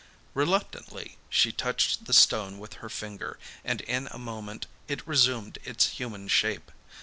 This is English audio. Reluctantly she touched the stone with her finger, and in a moment it resumed its human shape.